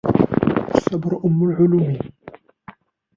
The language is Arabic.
الصبر أُمُّ العلوم.